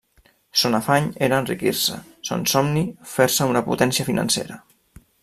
Son afany era enriquir-se; son somni, fer-se una potència financera.